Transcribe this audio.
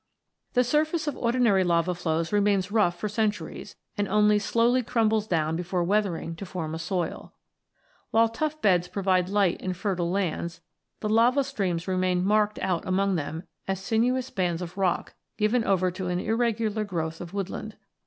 The surface of ordinary lava flows remains rough for centuries, and only slowly crumbles down before weathering to form a soil. While tuff beds provide light and fertile lands, the lava streams remain marked out among them, as sinuous bands of rock, given over to an irregular growth of woodland.